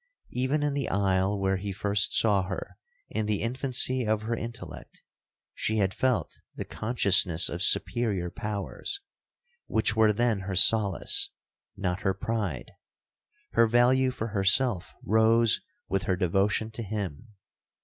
Even in the isle where he first saw her in the infancy of her intellect, she had felt the consciousness of superior powers, which were then her solace, not her pride. Her value for herself rose with her devotion to him.